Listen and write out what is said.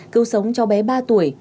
cứu sống cho bé ba tuổi